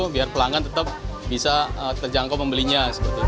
biar pelanggan tetap bisa terjangkau pembelinya